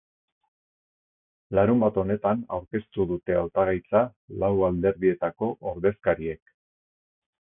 Larunbat honetan aurkeztu dute hautagaitza lau alderdietako ordezkariek.